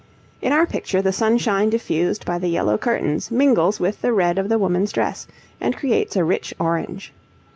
In our picture the sunshine diffused by the yellow curtains mingles with the red of the woman's dress and creates a rich orange.